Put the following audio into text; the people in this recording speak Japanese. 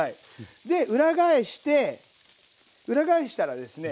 で裏返して裏返したらですね